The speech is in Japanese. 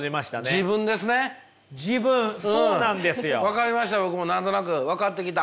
分かりました僕も何となく分かってきた。